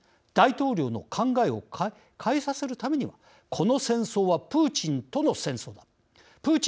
大統領の考えを変えさせるためにはこの戦争はプーチンの戦争だ。